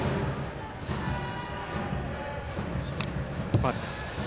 ファウルです。